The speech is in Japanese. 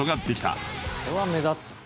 これは目立つ。